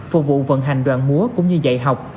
phục vụ vận hành đoàn múa cũng như dạy học